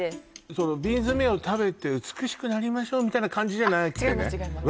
その瓶詰を食べて美しくなりましょうみたいな感じじゃなくてね違います